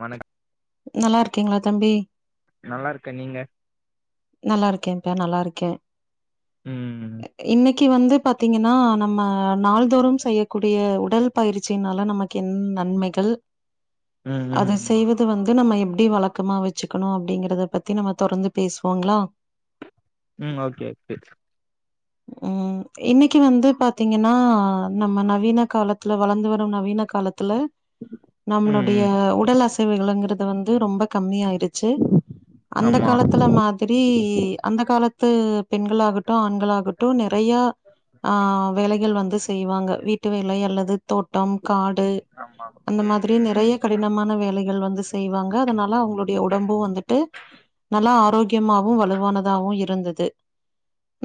வணக் நல்லா இருக்கீங்களா தம்பி நல்லா இருக்கே நீங்க நல்லா இருக்கேன்ப்பா நல்லா இருக்கே ம் இன்னைக் கி வந்து பாத்தீங்கன்னா நம்ம நாள்தோறும் செய்யக்கூடிய உடல் பயிற்சினால நமக்கு என் நன்மைகள் ம் அது ம் ம் செய்வது வந்து நம்ம எப் ப்டி வழக்கமா வச்சுக்கணு அப்டிங்கிறத பத்தி நம்ம தொடர்ந்து பேசுவோ போங்ளா ம் ஓகே பிட்ஸ் ம் இன்னிக்கு வந்து பாத்தீங்கன்னா நம்ம நவீன காலத்ல வளந்து வரு நவீன காலத்துல ம் நம்ளுடைய ம் உடல் அசைவுக்ளங்றத் வந்து ரொம்ப கம்மியாயி டுச்சு அந்த ஆமா காலத்துல மாதி ரி அந்த காலத்து பெண்களாகட் ட்டோ ஆண்களாகடோ நெறைய ஆஹ வேலைகள் வந்து செய்வாங்க வீட்டு வேலை அல்லது தோட்டம் காடு ஆமா அந்த ம் மாதிரி ம் நெறைய கடினமான வேலைகள் வந்து செ செய்வாங்க அதனால அவுங்களுடைய உடம்பு வந்துட்டு நல்லா ஆரோக்கிய முக்கியமாவு வலுவானதாவு இருந்தது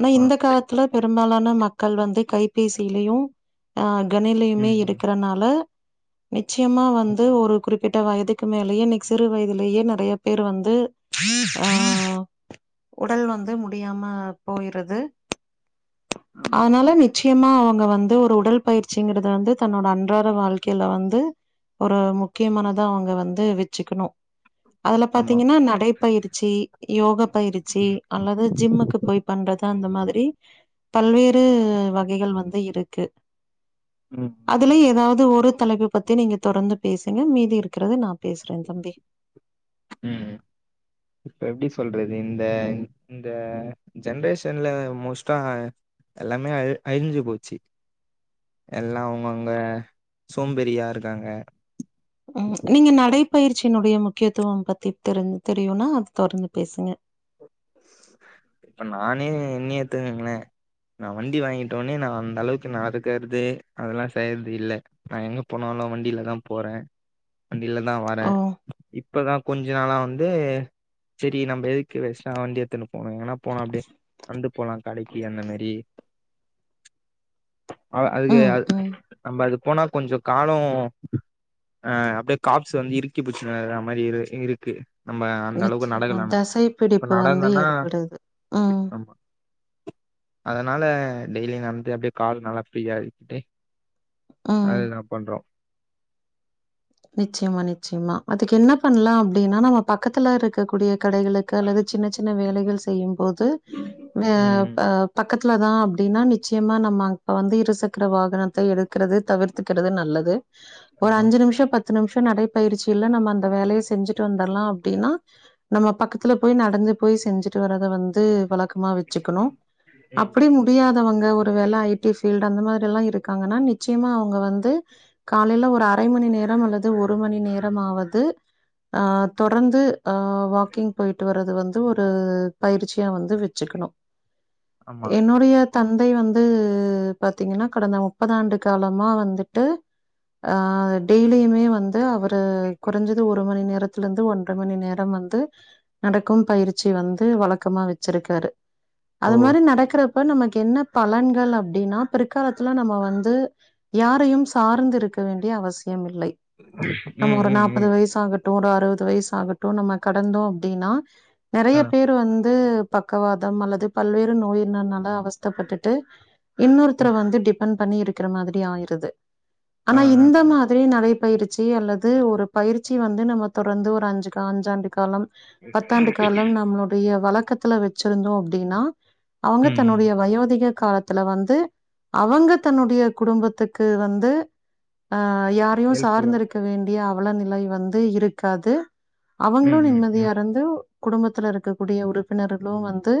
ஆனா இந்த காலத்துல பெ பெரும்பாலான மக்கள் வந்து கைபேசியிலயு ஆ ம் ஆமா கணினிலையுமே ம் ம் ம் இருக்கறனால நிச்சயமா வந்து ஒரு குறிப் பிட்ட வயதுக்கு மேலேயே இன்னைக்கு சிறு வயதிலேயே நெறைய பேர் வந்து ஆஹ உடல் வந்து முடியாம போயிறது ஆமா ஆனால நிச் முக்கியமா அவுங்க வந்து ஒரு உடல் பயிற்சிங்கறத வந்து தன்னோட அன்றாட வாழ்க்கையில வந்து ஒரு முக்கியமானதா அவுங்க வந்து து வெச்சுக்கணு அதுல ஆமா பாத்தீங்கன்னா நடைப்பயிற்சி யோகா பயிற்சி அல்லது ஜிம்முக்கு போய் பண்றது அந்த மாதிரி பல்வேறு வகைகள் வந்து இருக்கு ம் ம் அதுல ஏதாவது ஒரு தலைப்ப பத்தி நீங்க தொடர்ந்து பேசுங்க மீதி இருக்கிறத நா பேசுறே தம்பி ம் இப்ப எப்டி சொல்றது இந்த இந்த ஜென்ரேஷன்ல மோஸ்டா எல்லாமே அ அழிஞ்சு போச்சு. எல்லா அவுங்கவுங்க சோம்பெரியா இருக்காங்க. உம் நீங்க நடைப்பயிற்சியினுடைய முக்கியத்துவம் பத்தி தெரி தெரியுனா அது தொடந்து பேசுங்க. இப்ப நானே என்னயே எத்துகங்ளே நா வண்டி வாங்கிட்ட உனே நா அந்த அளவுக்கு நாடக்கறது அதெல்லா செய்யறது இல்ல. நா எங்க போனாலு வண்டிலதா போற. வண்டில தா வர. ஓ! இப்பதா கொஞ்ச நாளா வந்து செரி நம்ம எதுக்கு வண்டியெத்துனு போனு. எங்கன்னா போனா அப்டே நடந்து போலாங் கடைக்கு அந்த மாரி அ அதுக்கு ம், ம். நம்ம அதுக் போனா கொஞ்சோ காலோ அஹ் அப்டியே காப்ஸ வந்து இறுக்கி புச்சுனிருக்க மாரி இரு இருக்கு. நம்ம அந்த அளவுக்கு நிச்சீமா நடக்கலனா தசை இப்ப புடிப் வந்து நடந்தன்னா ஏற்படுது உம் ஆமா அதனால டெய்லி நடந்து அப்டியே கால் நல்லா ஃப்ரீயா அக்கிட்டு ம். அது நா பண்றோ நிச்சயமா நிச்சயமா அதுக்கு என்ன பண்லா அப்டின்னா நம்ம பக்கத்துல இருக்கக் கூடிய கடைகளுக்கு அல்லது சின்னச் சின்ன வேலைக்கு கள் செய்யும் போது து ஆ ம் ம் ப பக் பக்கத்துலதா அப்டின்னா நிச்சயமா நம்ம அ வந்து இருசக்கர வாகனத்தை எடுக்கறது தவிர்த்துக்கிறது நல்லது ஒரு ஆமா அஞ்சு நிமிஷ் பத் பத்து நிம்ஷ நடைப்பயிற்சில்ல நம்ம அந்த வேலைய செஞ்சுட்டு வந்துடலா அப் டின்னா நம்ம பக்கத்துல போய் நடந்து போய் செஞ்சுட்டு வரத வந்து வழக்க மா வச்சுக்கணு ம் ம். அப்படி முடியாதவங்க ஒரு வேலை ஐ டி ஃபீல் அந்த மாரில்லா இருக்காங்கன்னா நிச்சயமா அவங்க வந்து காலைல ஒரு அரை மணி நேரம் அல்லது து ஒரு மணி நேரமாவது அ தொடந்து ஆ வாக்கிங் போயிட்டு வரத் து வந்து ஒரு பயிற்சியா வந்து வெச்சுக்கணு. ஆமா என்னுடையத் தந்தை வந்து பாத்தீங்கன்னா கடந்த முப்பது ஆண்டு காலமா வந்துட்டு ஹ டெய்லிமே வ ந்து அவர் ரு குறஞ்சது ஒரு மணி நேர் ரத்திலேந்து ஒன்ற மணி நேரம் வந்து நடக்கும் பயிற்சி வந்து வழக்கமா வச்சிருக்காரு. ஓ அது மாரி நடக்றப்ப நமக் என்ன பலன்கள் அப்டின்னா பிற்காலத்துல நம்ம வந்து யாரையும் சார்ந்து இருக்க வேண்டிய அவசியம் இல்லை. ம் நமக்கொரு ம் நாப்பது ம் வயசாகட் டு ஒரு அறுவது வயசு ஆகட்டு நம்ம கடந்தோ அப்டின்னா நெறைய ஆ பேரு வந்து பக்கவாதம் அல்லது பல்வேறு நோயின்ன நம் ம அவஸ்தப்பட்டுட்டு இன்னொருத்தர ம் ம். வந்து டிபெண்ட் பண்ணி இருக் க்கிற மாதிரி ஆயிறுது ஆ ஆனா ஆ இந்த ஆ. மாதிரி நெறய போய்ருத் முயற்சி அல்லது ஒரு பயிற்சி வந்து நம்ம தொடர்ந்து ஒரு அஞ்சு கா அஞ்சாண்டு காலம் பத்தாண்டு காலம் நம்மளுடைய வளர் பக்கத்துல வச்சிருந்தோ அப்டின்னா அவங்க ம் ம் தன்னோடைய வயோதிக காலத்துல வந்து அவங்க தன்னுடைய குடும்பத்துக்கு வந்து ஆ யாரையு ஹெல்ப்ஃபுல்லா சார்ந்துருக் வேண்டிய அவல நிலை வந்து இருக்காது அவங்களு ம் ம் ம் நிம்மதியாயிருந்து குடும்பத்துல இருக்கக்கூடிய உறுப்பினர்களு வந்து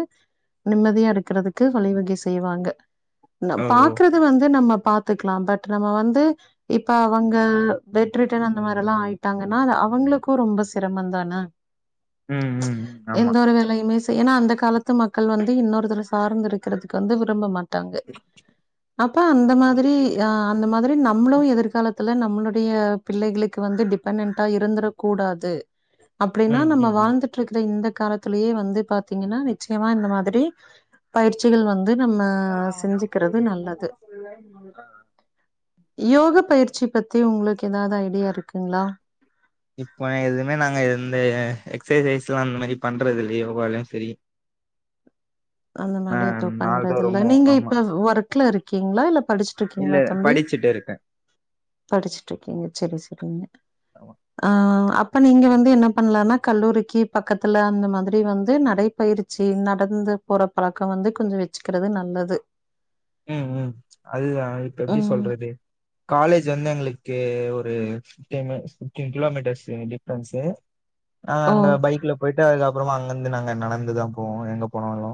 நிம்மதியா இருக்கறதுக்கு வழிவகை செய்வாங்க நா ஓ ஓ பாக்றது வந்து நம்ம பாத்துக்கலா பட் நம்ம வந்து இப்ப அவங்க பெட்ரிட்டன் அந்த மாரில்லா ஆயிட்டாங்கன்னா அது அவங்களுக்கு ரொம்ப சிரமந்தான ம் ம் ம் ஆமா வேலையுமே ஏன்னா அந்த காலத்து மக்கள் வந்து இன்னொருத்தர சார்ந்து இருக்கறத்துக்கு வந்து விரும்ப மாட் ட்டாங்க அப்ப அந்த மாதிரி ஆ அந்த மாதிரி நம்மளு எதிர்காலத்த எல்லா நம்மளோட ஃப்ரீயா பிள்ளைகளுக்கு வந்து டிப்பெண்டெண்ட்டா இருந்துறக் கூடாது அப்டின்னா ம் நம்ம ம் ம் வாழ்ந்துட்டுருக்கிற இந்த காலத்துலயே வந்து பாத்தீங்கன்னா நிச்சயமா இந்த மாதிரி பயிற்சிகள் வந் ஆ ஆ யோக பயிற்சி பத் தி உங்களுக்கு எதாது ஐடியா இருக்குங்களா இப்ப எதுமே நாங்க எந்த எக்ஸசைஸ்ல்லா அந்த மாதிரி பண்றது இல்லயே யோகாலா செரி அந்த மாரி எதும் பண்றதில்ல நீங்க ஆமா இப்ப ஒர்க்ல இருக்கீங்களா இல்ல இல்ல படிச்சிட்டுருக்கீங்களா தம்பி படிச்சுட்டு இருக்கே படிச்சிட்டுருக்கீங்க செரி செரிங்க ஆ அப் அப்பற இங்க வந்து என்ன பண்ணலான்னா கல்லூரிக்கி பக்கத்துல அந்த மாதிரி வந்து நடைப்பயிற்சி நடந்து போற பழக்கோ வந்து கொஞ்சோ வச்சிக்கிறது நல்லது ம் ம் அதுதா இப்ப எப்டி ம். சொல்றது காலேஜ் வந்து எங்களுக்கு ஒரு fifteen minutes fifteen kilometres difference நா ஓ! அங்க பைக்ல போயிட்டு அது அப்பறமா அங்கந்து நாங்க நடந்துதா போவோ எங்க போனாலு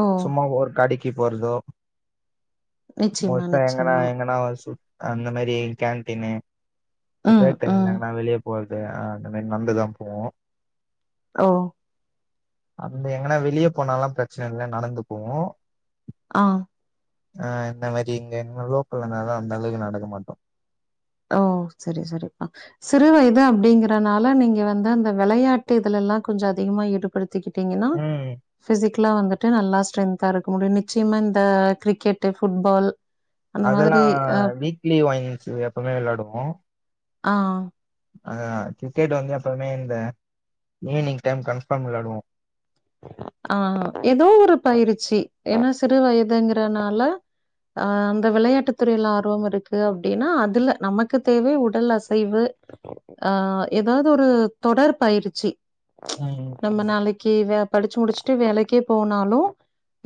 ஓ! சும்மா ஒரு கடைக் கி போறதோ நிச்சயமா, [unintelligible] எங்கனா நிச்சயமா. எங்கனா வ சு அந்த மாரி கேன்டீன்னு ம், ம். [unintelligible] வெளியே போது ஆ அந்த மாரி நடந்துதா போவோ ஒ அந்த எங்கன்னா வெளியே போனாலா பெரச்சன இல்ல நடந்து போவோ ஆ ஆ இந்த மாரி இங்க [unintelligible] அந்த அளவுக்கு நடக்க மாட்டோ ஒ சரி சரிப்பா சிறு வயது அப்டிங்கறனால நீங்க வந்து அந்த விளையாட்டு இதுலல்லா கொஞ்சோ அதிகமா ஈடுப்படுத்தி திகிட்டீங்கன்னா ம் ஃபிசிக் க்லா வந்துட்டு நல்லா ஸ்டென்தா இருக்க முடியு நிச்யமா இந்த கிரிக்கெட்டு ஃபுட்பால் அந்த அதல்லா மாதிரி அ வீக்லி வாங்கிச்சு எப்பமே வெள்ளாயாடு ஓ ஆ ஆ கிரிக்கெட் வந்து எப்பயுமே இந்த ஈவினிங் டைம் கன்ஃபாம் வெள்ளாயாடுவோ ஆ எதோ ஒரு பயிற்சி ஏன்னா சிறு வயதுங்றனால அ அந்த வெளையாட்டு துறையில் ஆர்வம் இருக்கு அப்டினா அதுல நமக்கு தேவை உடல் அசைவு ஆ ஏதாவ்து ஒரு தொடர்பயிற்சி ம், நம்ம ம். நாளக்கி வெ ச்சு முடிச்ட்டு வேலக்கே போனாலு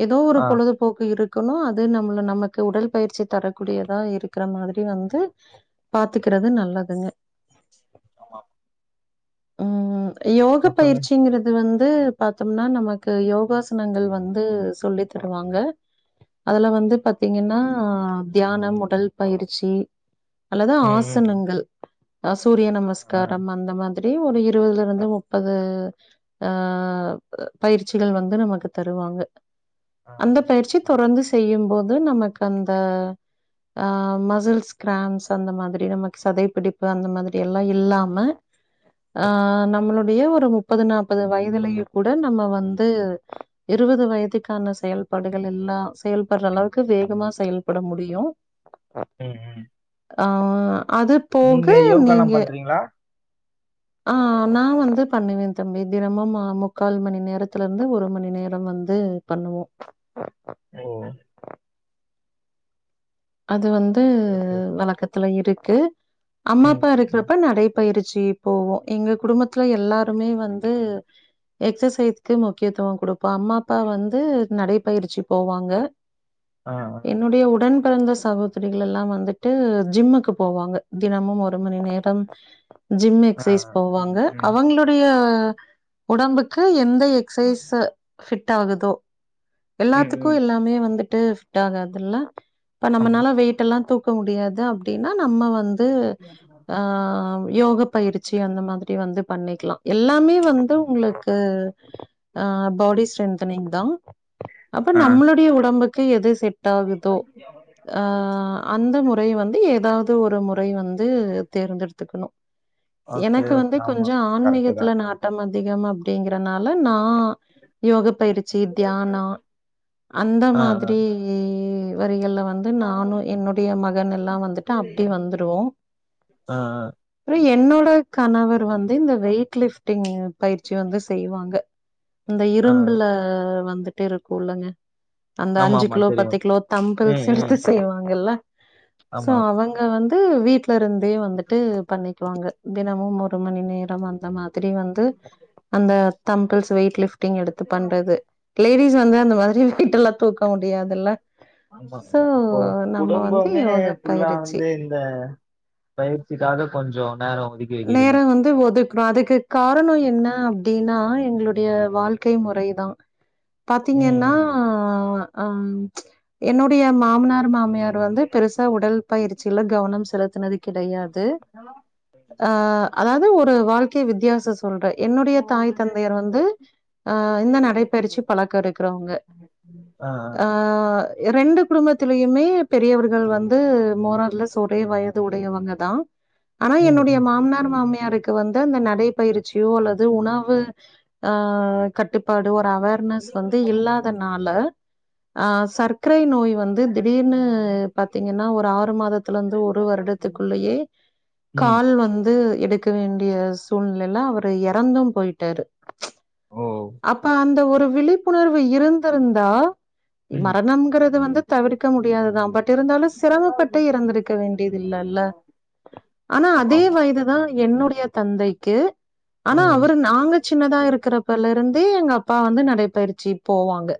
எதோ ஒரு ஆ பொழுதுபோக்கு இருக் குணோ அது நம்மள நமக்கு உடல் பயிற்சி தரக்கூடியதா இருக்ற மாதிரி வந்து பாத்துக்றது நல்லதுங்க ஆமா ம் யோக எப்பவுமே பயிற்சிங்கிறது வந்‌ து பாத் ம்னா நமக்கு யோகாசனங்கள் வந்து சொல்லி தருவாங்கா அதுல வந்து பத்தீங்கென்னாம் தியானம் உடல் பயிற்சி அல்லது ம் ம் ஆசனங்கள் ஆ சூரிய ஆ நமஸ்காரம் அந்த மா செரி ஒரு இருவத்ல இருந்து முப்பது ஆ ஆ பயிற்சிகள் வந்து நமக்கு தருவாங்கா ஆ. அந்த பயிற்சி தொடர்ந்து செய்யும்போத் து நமக் அந்தா ஆ மசில்ஸ் கிராம்ஸ் அந்த மாதிரி நமக் சதைப்பிடிப்பு அந்த மாதிரி எல்லா இல்லாம ஆ ஓ நம்ளோட் நீயே ஒரு முப்பது நாப்பது வயதிலயு கூட நம்ம வந்து இருவது வயதிக்கான செயல்படுதல் எல்லா செயல்பட்ற அளவுக்கு வேகமா செயல்பட முடியூ ம் ம் அவ்ள்தா அது போக நீங்க நீங்க யோகாலாம் பண்றீங்களா ஆ நா வந்து பண்ணுவே தம்பி தினமும் ஆம கால் மணி நேரத்துலர்ந்து ஒரு மணி நேரம் வந்து பண்ணுவோ ஓ அது வந்து சேர் சேர் த்துல இருக்கு அம்மா அப்பா ம். இருக்கிறப்ப நடை பயிற்சி போவோ எங்க குடும்பத்துல எல்லா ருமே வந்து எக்ஸசைஸ்க்கு முக்கியத்துவம் குடுப்போ அம்மா அப்பா வந்து நடைப்பயிற்சி போவாங்க ஆ ஆ என்னுடைய உடன் பிறந்த சகோதரிகள் லெல்லாம் வந்துட்டு ஜிம்முக்கு போவாங்க தினமும் ஒரு மணி நேரம் ஜிம் ஆ ஆ. எக்சைஸ் ம் போவாங்க அவங்களுடைய உடம்புக்கு எந் த ம் எக்ஸைஸு ஃபிட் ஆகுதோ ம் எல்லாத்துக்கு ம் எல்லாமே வந்துட் துட்டு ஃபிட் ஆகாதுல்ல இப்ப ஆமா நம்மளால வெயிட்டல்லாம் தூக் க்க முடியாது அ அப்டின்ன நம்ம வந்து ஆஹ் யோக பயிற்சி அந்த மாதிரி வந்து பண்ணிக்கலா எல்லாமே வந்து உங்களுக்கு அஹ் பாடி ஸ்ட்ரென்தனிங் தா அப்ப ஓகே ஆ நம்மளுடைய உடம்பு கு எது செட் [inaudible] ஆஹ் அந்த மு முறை வந்து ஏதாவது ஒரு மு முறை வந்து தேர்ந்தெடுத்துக்கணும் ஓகே எனக்கு ஓகே வந்து ஆமா கொஞ்சோ கரெக்ட்டு ஆன்மீகத்துல தான் நாட்டம் வ அதிகம் அப்டிங்கறனால நா நா யோக பயிற்சி தியானம் அந்த ஆ ஆ மாதிரி வரிகள்ல்ல வன் நானும் என்னுடைய மகன் எல்லாம் வந்துட்டு அப்டி வந்துருவோம் ஆ ஆ அப்றம் என் என்னோட கனவு வந்து இந்த வெயிட் லிஃப் ட்டிங் பயிற்சி வந்து செய்வாங்க இந்த ஆ இரும்புல வந் வந்துட்டே இருக்கும் இல்லங்க அந்த ஆமா அஞ்சு ஆமா கிலோ பத்து தெரியும் கிலோ தம்பிள்ஸ் ம் செலத்து ம் செய்வாங்கல்ல சோ ஆமா அவங்க வந்து து வீட் ல இருந்தே வந்துட்டு பண்ணிக்குவாங்க தினமும் ஒரு மணி நேரோ அந்த மாரி திரி வந்து அந்த தம்பள்ஸ் வெய்லிப் டிங் எடுத்து பண்றது லேடிஸ் வந்த அந்த மாரி வெயிட்டுல தூக்க முடியாதுல்ல சோ அப்போ நம்ம வந்து குடும்பமே யோகா ஃபுல்லா பயிற்சி. வந்து இந்த பயிற்சிக்காக கொஞ்சோ நோரோ நேரம் வந்து ஒதுக்கணு அதுக்கு காரணோ என்ன அப்டின்னா எங்களுடைய வாழ்க்கை முறை தா ம் பாத்தீங்கன்னா ம். ஆஹ் என்னுடைய மாமனார் மாமியா வந்து பெருசா உடல் பயிற்சி சில கவனம் செலுத்தினது கிடையாது ஆஹ் அதாவது ஒரு வாழ்க்கை வித்தியாச சொல்ற என்னுடைய தாய் தந்தையர் வந்து அ இந்த நடைபயிற்சி பழக்க இருக்றவங்க ஆ ஆ ஆஹ் ரெண்டு குடும்பத்திலயுமே பெரியவர்கள் வந்து மோர் ஓவர் லெஸ் ஒரே வயது உடையவங்க தா ம் ம் மாமனார் மாமியாருக்கு வந்து அந்த நடைபயிற்சியோ அல்ல து உணவு ஆஹ் கட்டுப்பாடு அவேர்னஸ் வந்து ம் இல்லாதனால ஆஹ் சர்க்கரை நோ ய் வந்து திடீர்னு பாத்தீங்கன்னா ஒரு ஆறு மாதத்திலிருந்து ஒரு வருடத்துக்குள்ளயே ம் கால் வந் து எடுக்க வேண்டிய சூழ்நிலையிலா அவர் இறந்தும் போய்டாரு ஓ அப்ப அந்த ஒரு விழிப்புணர்வு இருந்திருந்தா ம் மரணம்ங்கிறது வந்து தவிர்க்க முடியாதுதா பட் இருந்தாலு சிரமப்பட்டு இறந்திருக்க வேண்டியதில்லல்ல ஆனா அது ஆமா அதே ஆமா வயது தா என்னுடை ய தந்தைக்கு ஆனா ம் அவரு நாங்க சின்னதா இருக்கறப்பலரு ருந்து எங்க அப்பா வந்து நடைப்பயிற்சி போவாங்க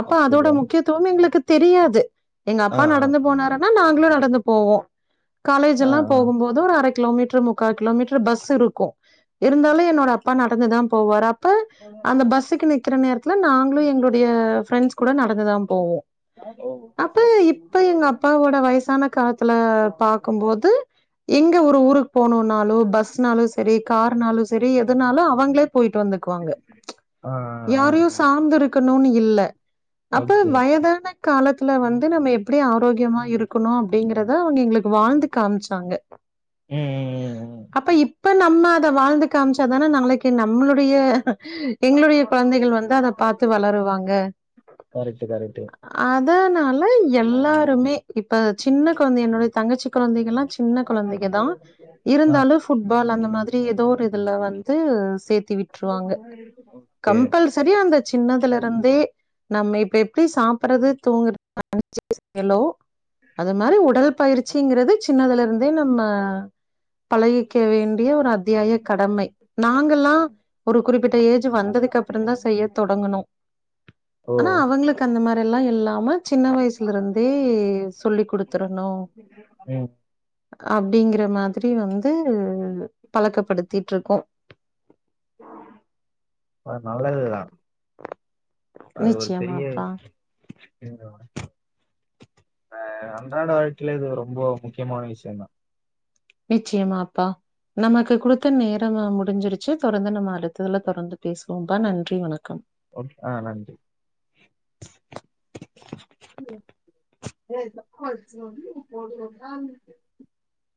அப்ப அதோட அப்படியா முக்கியத்துவம் எங்களுக்கு தெரியாது எங்க ஆ அப்பா ஆ நடந்து போனாருன்னா நாங் குளு நடந்து போவோ காலேஜ் ஆ எல்லா ஆ போகும்போது ஒரு அரை கிலோமீட்டர் முக்கா கிலோமீட்டர் பஸ் இருக்கு இருந்தாலு என்னோட அப்பா நடந்துதா போவாரு அப் போ அந்த பஸ்ஸுக்கு நிக்கிற நேரத்துல நாங்களு எங்களுடைய ஃப்ரெண்ட்ஸ் கூட நடந்துதா போவோ ஓ அப்ப இப்ப எங்க அப்பாவோட வயசான காலத்துல பாக்கும்போது எங் ஒரு ஊருக்கு போ னாலு பஸ்னாலு சரி கார்னாலு செரி எதுனாலு அவங்களே போயிட்டு வந்துக்குவாங்க ஆ ஆ யாரையு சார்ந்து இருக் க்கனுன்னு இல்ல அப்பொ ஓகே வயதான காலத் துல வந்து நம்ம எப்டி ஆரோக்கியமா இருக்கணு அப்டிங்றத அவங்க எங்களுக்கு வாழ்ந்து காமிச்சாங்க ம் ம் ம் அப்ப இப் ப்ப நம்ம அத வாழ்ந்து காமிச்சதானா நம்ளைக்கு நம்மளுடைய எங்களுடைய கொழந்தைகள் வந்து அத பாத்து ம் வளருவாங்க கரெக்ட்டு கரெக்ட்டு அதா நா ப்ப எல்லாருமே இப்ப சின்னக் கொழந்தை என்னுடைய தங்கச்சி கொழந்தைங் கல்லா சின்ன கொழ ந்தைகதா ஆ இருந்தாலு ஃபுட்பால் அந்த மாதி ரி எதோர் இதுல வந்து சேத்தி விட்ருவாங்க ஓகே கம்பல்சரியா அந்த சின்னதுல இருந்தே நம்ம இப்ப எப்டி சாப்படுறது தூங்கறது [unintelligible] அது மாரி உடல் பயிற்சிங்கிறது சின்னதுல இருந் அதே நம்ம பழகிக்க வேண்டிய ஒரு அத்தியாய கடமை நாங்கல்லா ஒரு குறிப்பிட்ட ஏஜ் வந்ததுக் அப்புறந்தா செய்ய தொடங்குணோ ஓ அனா அவுங்களுக் அந்த மாரி இதெல்லா இல்லாம சின்ன வயசுல இருந்தே சொல்லி் குடுத்துருணு ம் அப்டிங்கிற மாதிரி வந்து பழக்கப்படுத்திட்டு இருக்கோம் அது நல்லதுதா அது ஒரு பெரிய நிச்சயமாப்பா [unintelligible] அஹா அன்றாட வாழ்க்கையிலே இது ரொம்ப முக்கியமான விஷ்யந்தா நிச்சியமாப்பா நமக்கு குடுத்த நேரமா முடிஞ்சிரு ச்சு தொடந்து நம்ம அடுத்துல்ல தொடர்ந்து பேசுவோம்பா நன்றி வணக்கம் ஓக் அஹா நன்றி [unintelligible]